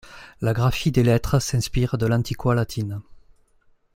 La graphie des lettres s'inspire de l’Antiqua latine.